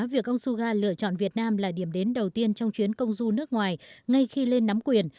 việc ông suga lựa chọn việt nam là điểm đến đầu tiên trong chuyến công du nước ngoài ngay khi lên nắm quyền